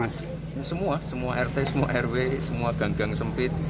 semua rt semua rw semua ganggang sempit